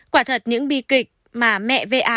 quả thật những bi kịch mà mẹ va